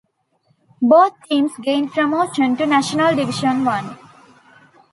Both teams gained promotion to National Division One.